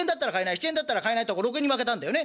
７円だったら買えないところ６円にまけたんだよね。